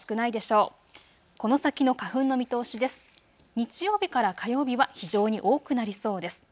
日曜日から火曜日は非常に多くなりそうです。